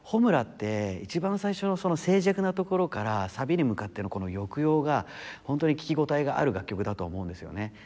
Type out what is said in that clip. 『炎』って一番最初の静寂なところからサビに向かってのこの抑揚が本当に聴き応えがある楽曲だと思うんですよね。